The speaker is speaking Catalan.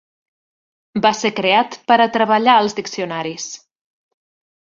Va ser creat per a treballar els diccionaris.